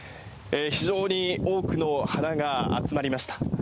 非常に多くの花が集まりました。